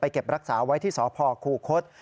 เก็บรักษาไว้ที่สพคูคศ